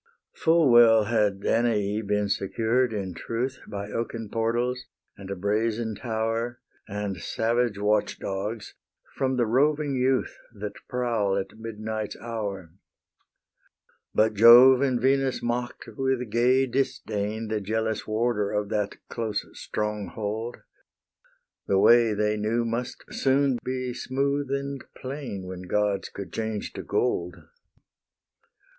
Full well had Danae been secured, in truth, By oaken portals, and a brazen tower, And savage watch dogs, from the roving youth That prowl at midnight's hour: But Jove and Venus mock'd with gay disdain The jealous warder of that close stronghold: The way, they knew, must soon be smooth and plain When gods could change to gold.